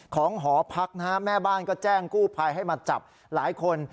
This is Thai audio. หอพักนะฮะแม่บ้านก็แจ้งกู้ภัยให้มาจับหลายคน